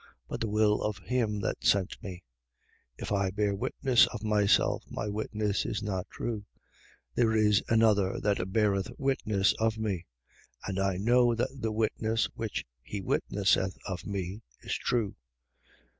but the will of him that sent me. 5:31. If I bear witness of myself, my witness is not true. 5:32. There is another that beareth witness of me: and I know that the witness which he witnesseth of me is true.